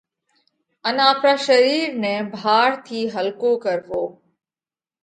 ان آپرا شرِير نئہ ڀار ٿِي هلڪو ڪروو۔